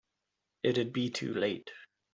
It'd be too late.